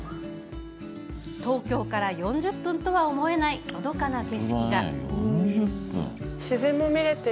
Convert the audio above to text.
東京から４０分とは思えないのどかな景色が。